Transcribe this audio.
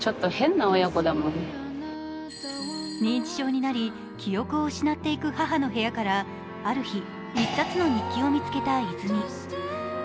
認知症になり、記憶を失っていく母の部屋からある日、一冊の日記を見つけた泉。